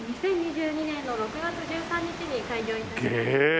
２０２２年の６月１３日に開業致しました。